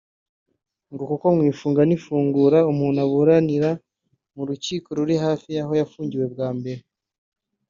ngo kuko mu ifunga n’ifungura umuntu aburanira mu rukiko ruri hafi y’aho yafungiwe bwa mbere